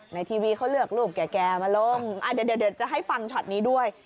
ทีวีเขาเลือกรูปแก่มาลงเดี๋ยวจะให้ฟังช็อตนี้ด้วย